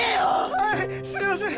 はいすいません